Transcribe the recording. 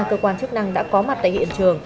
cơ quan chức năng đã có mặt tại hiện trường